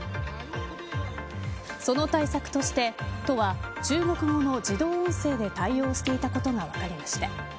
その対策として都は中国語の自動音声で対応していたことが分かりました。